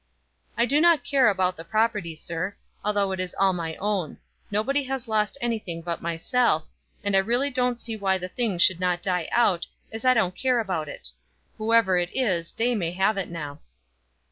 "I do not care about the property, sir; although it was all my own. Nobody has lost anything but myself; and I really don't see why the thing should not die out, as I don't care about it. Whoever it is, they may have it now."